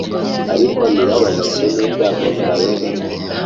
ariko ntibababazwe n’ibyago bya Yosefu